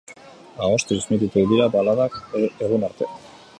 Ahoz transmititu dira baladak egun arte.